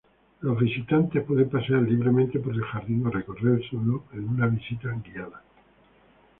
Los visitantes pueden pasear libremente por el jardín o recorrerlo en una visita guiada.